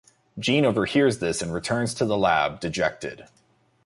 Gene overhears this and returns to the lab, dejected.